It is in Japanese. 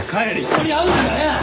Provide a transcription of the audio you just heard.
人に会うんだよ！